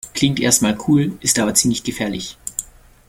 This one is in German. Klingt erst mal cool, ist aber ziemlich gefährlich.